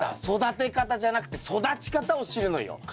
育て方じゃなくて育ち方を知るのよ。